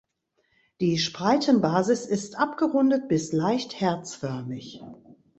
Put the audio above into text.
Die Spreitenbasis ist abgerundet bis leicht herzförmig.